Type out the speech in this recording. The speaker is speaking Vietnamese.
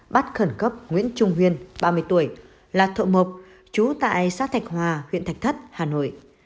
bắt khẩn cấp nguyễn trung huyên ba mươi tuổi là thợ mộc trú tại xã thạch hòa huyện thạch thất hà nội